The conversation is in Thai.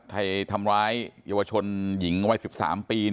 ไทยทำร้ายเยาวชนหญิงวัย๑๓ปี